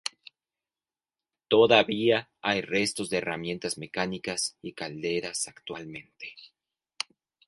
Todavía hay restos de herramientas mecánicas y calderas actualmente.